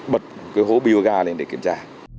bật cái hố biêu gà lên để kiểm tra